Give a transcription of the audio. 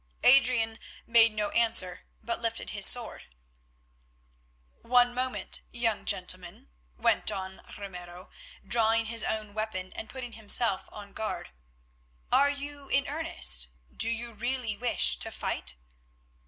Adrian made no answer, but lifted his sword. "One moment, young gentleman," went on Ramiro, drawing his own weapon and putting himself on guard; "are you in earnest? Do you really wish to fight?"